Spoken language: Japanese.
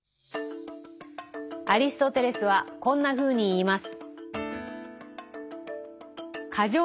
アリストテレスはこんなふうに言います。